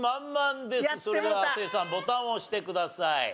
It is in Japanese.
それでは亜生さんボタンを押してください。